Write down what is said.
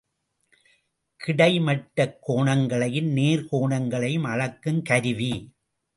கிடைமட்டக் கோணங்களையும் நேர் கோணங்களையும் அளக்கும் கருவி.